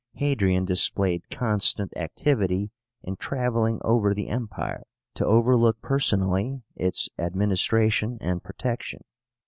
Hadrian displayed constant activity in travelling over the Empire, to overlook personally its administration and protection.